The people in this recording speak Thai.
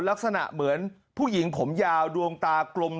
ลักษณะเหมือนผู้หญิงผมยาวดวงตากลม